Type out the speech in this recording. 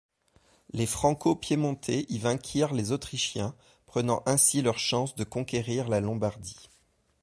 Les franco-piémontais y vainquirent les autrichiens, prenant ainsi leur chance de conquérir la Lombardie.